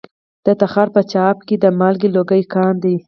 د تخار په چاه اب کې د مالګې لوی کان دی.